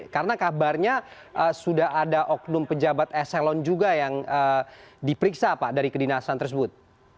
karena kabarnya sudah ada oknum pejabat eselon juga yang diperiksa pak dari kedinasan tersebut